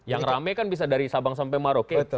yang rame kan bisa dari sabang sampai maroke